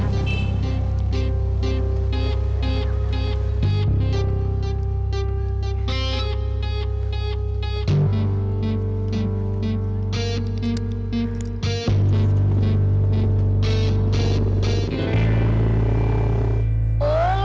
buat apa ini